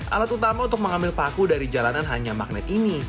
alat utama untuk mengambil paku dari jalanan hanya magnet ini